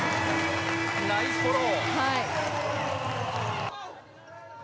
ナイスフォロー！